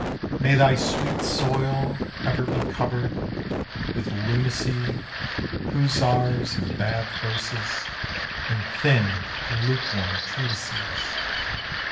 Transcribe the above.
May thy sweet soil ever be covered With lunacy, hussars and bad verses, And thin, lukewarm treatises.